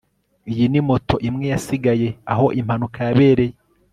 iyi ni moto imwe yasigaye aho impanuka yabereye